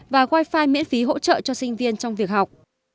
và wifi miễn phí hỗ trợ cho sinh viên trong việc học